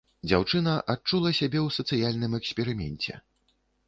Дзяўчына адчула сябе ў сацыяльным эксперыменце.